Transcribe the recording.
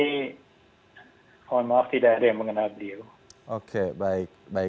mohon maaf tidak ada yang mengenal beliau